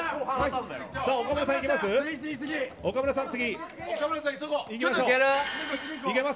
岡村さん、次いきます？